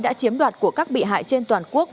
đã chiếm đoạt của các bị hại trên toàn quốc